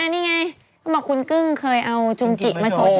นี่ไงบับคุณกึ้งเคยเอาจุงกิมาโชว์ให้มึงค่ะ